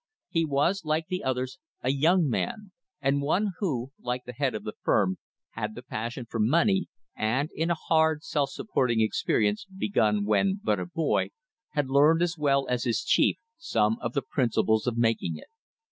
He was, like the others, a young man, and one who, like the head of the firm, had the passion for money, and in a hard self supporting experience, begun when but a boy, had learned, as well as his chief, some of the principles of making it.